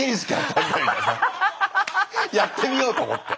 やってみようと思って。